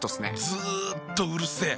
ずっとうるせえ。